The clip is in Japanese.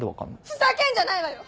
ふざけんじゃないわよ！